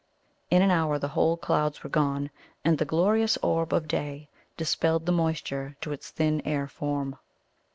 In an hour the whole clouds were gone, and the glorious orb of day dispelled the moisture to its thin air form.